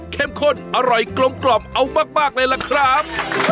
เค็มข้นอร่อยกลมกล่อมเอามากมากเลยแหละครับ